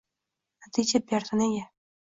natija berdi, nega?